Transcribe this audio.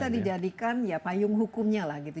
dan ini bisa dijadikan ya payung hukumnya lah gitu